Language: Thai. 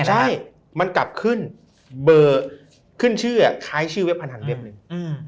ใช่มันกลับขึ้นเบอร์ขึ้นชื่อคล้ายชื่อเว็บพนันเว็บหนึ่ง